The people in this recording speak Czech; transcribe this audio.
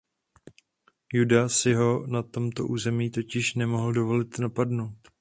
Juda si ho na tomto území totiž nemohl dovolit napadnout.